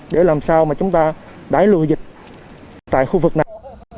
để làm sao mà chúng ta đẩy lùi dịch tại khu vực này